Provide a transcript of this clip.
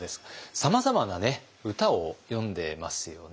さまざまな歌を詠んでますよね。